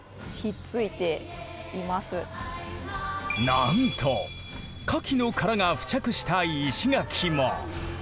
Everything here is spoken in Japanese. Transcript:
なんとカキの殻が付着した石垣も！